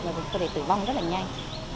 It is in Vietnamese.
và có thể tử vong rất là nhanh